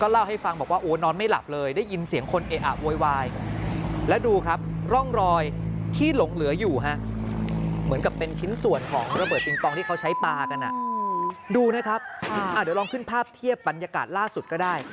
ดูนะครับเดี๋ยวลองขึ้นภาพเทียบบรรยากาศล่าสุดก็ได้